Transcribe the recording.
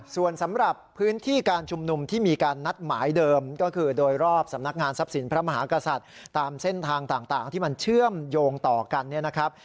ส่วนสำหรับพื้นที่การชุมนุมที่มีการนัดหมายเดิมก็คือโดยรอบสำนักงานทรัพย์สินพระมหากษัตริย์ตามเส้นทางต่างที่มันเชื่อมโยงต่อกันเนี่ยนะครับ